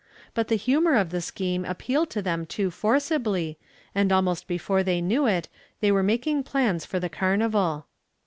But the humor of the scheme appealed to them too forcibly, and almost before they knew it they were making plans for the carnival.